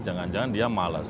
jangan jangan dia malas